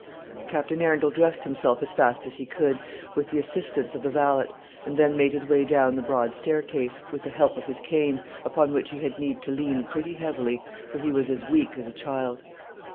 Captain Arundel dressed himself as fast as he could, with the assistance of the valet, and then made his way down the broad staircase, with the help of his cane, upon which he had need to lean pretty heavily, for he was as weak as a child.